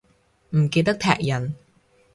唔記得踢人